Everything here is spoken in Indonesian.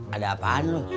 ada apaan lu